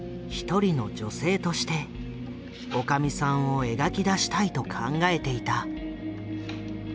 一人の女性としておかみさんを描き出したいと考えていた。